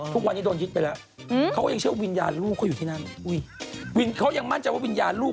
ทุกวันนี้โดนยิดไปแล้วเขาก็ยังเชื่อว่าวิญญาณลูก